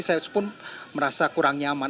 saya pun merasa kurang nyaman